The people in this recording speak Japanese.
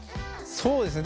そうですね。